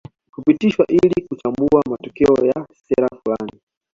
Hupitishwa ili kuchambua matokeo ya sera fulani